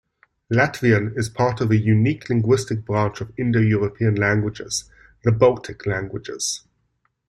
Latvian is part of a unique linguistic branch of Indo-European languages: the Baltic languages.